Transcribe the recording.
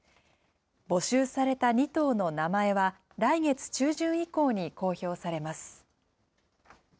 募集された２頭の名前は、来月中旬以降に公表されます。